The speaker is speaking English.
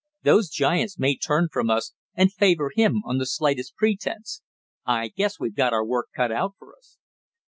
Those giants may turn from us, and favor him on the slightest pretence. I guess we've got our work cut out for us."